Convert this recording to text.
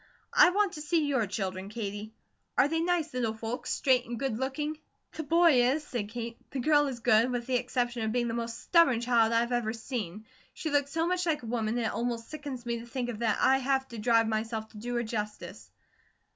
I want to see your children, Katie. Are they nice little folks, straight and good looking?" "The boy is," said Kate. "The girl is good, with the exception of being the most stubborn child I've ever seen. She looks so much like a woman it almost sickens me to think of that I have to drive myself to do her justice."